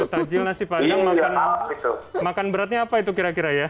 takjil nasi padang makan beratnya apa itu kira kira ya